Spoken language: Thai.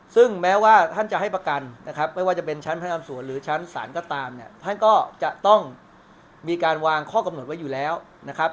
ซึ่งแม้ว่าท่านจะให้ประกันนะครับไม่ว่าจะเป็นชั้นพนักงานสวนหรือชั้นศาลก็ตามเนี่ยท่านก็จะต้องมีการวางข้อกำหนดไว้อยู่แล้วนะครับ